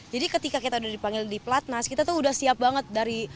jadi ketika kita udah dipanggil di platnas kita tuh udah siap banget dari